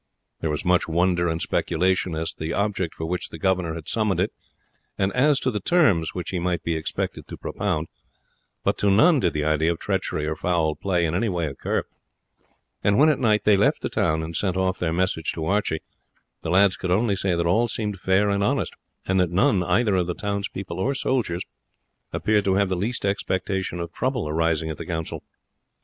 There was much wonder and speculation as to the object for which the governor had summoned it, and as to the terms which he might be expected to propound, but to none did the idea of treachery or foul play in any way occur; and when at night they left the town and sent off their message to Archie, the lads could only say that all seemed fair and honest, and that none either of the townspeople or soldiers appeared to have the least expectation of trouble arising at the council.